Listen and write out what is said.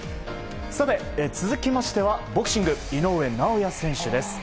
続きましてはボクシング井上尚弥選手です。